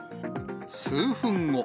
数分後。